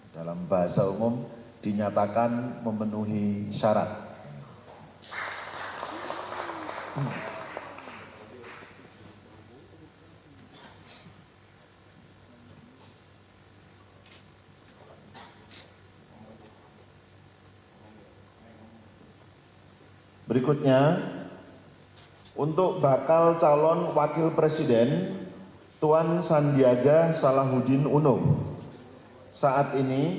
dalam bahasa umum dinyatakan memenuhi syarat